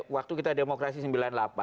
waktu kita demokrasi sembilan puluh delapan